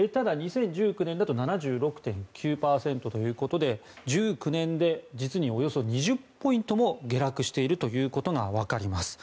ただ、２０１９年だと７６．９％ということで１９年で実におよそ２０ポイントも下落しているということがわかります。